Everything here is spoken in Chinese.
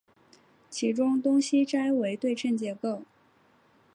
其中东西斋为对称结构。